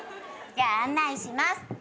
じゃあ案内します。